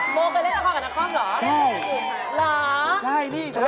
เชื่อนะครับถูกที่นี่ละคร